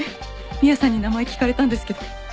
ミアさんに名前聞かれたんですけど。